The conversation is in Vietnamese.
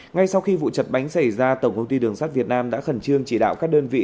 ngay sau khi vụ chật bánh xảy ra tổng công ty đường sắt việt nam đã khẩn trương chỉ đạo các đơn vị